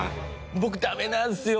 僕ダメなんですよ